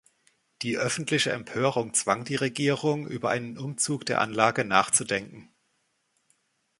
Die öffentliche Empörung zwang die Regierung, über einen Umzug der Anlage nachzudenken.